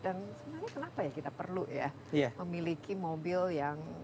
dan sebenarnya kenapa ya kita perlu ya memiliki mobil yang